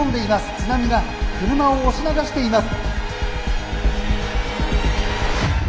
津波が車を押し流しています」。